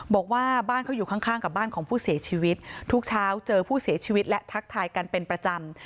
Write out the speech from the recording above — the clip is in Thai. บอกว่าบ้านเขาอยู่ข้างกับบ้านของผู้เสียชีวิตทุกเช้าเจอผู้เสียชีวิตและทักทายกันเป็นประจำ